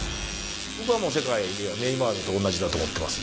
僕はもう世界ではネイマールと同じだと思ってます。